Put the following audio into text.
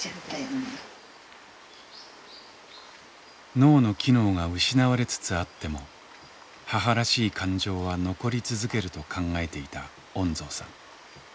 脳の機能が失われつつあっても母らしい感情は残り続けると考えていた恩蔵さん。